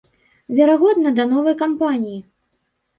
Верагодна, да новай кампаніі.